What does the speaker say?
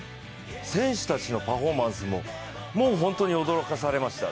選手たちのパフォーマンスも本当に驚かされました。